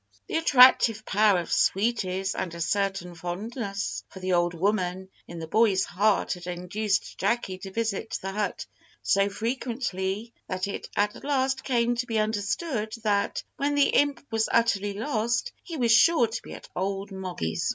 The attractive power of "sweeties" and a certain fondness for the old woman in the boy's heart had induced Jacky to visit the hut so frequently, that it at last came to be understood, that, when the imp was utterly lost, he was sure to be at old Moggy's!